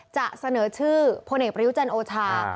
จะเสนอชื่อพลเอกประยุจันทร์โอชา